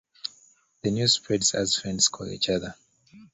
The news spreads as friends call each other.